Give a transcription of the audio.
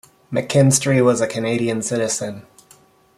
McKinstry was a Canadian citizen.